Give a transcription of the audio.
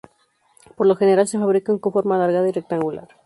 Por lo general se fabrican con forma alargada y rectangular.